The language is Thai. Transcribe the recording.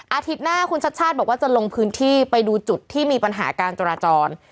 อาทิตย์หน้าคุณชัดชาติบอกว่าจะลงพื้นที่ไปดูจุดที่มีปัญหาการจราจร